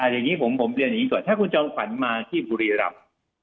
อย่างนี้ผมเรียนอย่างนี้ก่อนถ้าคุณจอมฝันมาที่บุรีรำ